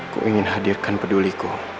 ku ingin hadirkan peduliku